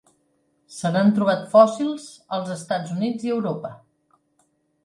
Se n'han trobat fòssils als Estats Units i Europa.